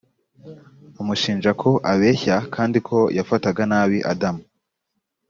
amushinja ko abeshya kandi ko yafataga nabi adamu